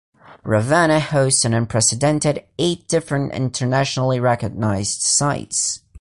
Ravenna hosts an unprecedented eight different internationally recognized sites.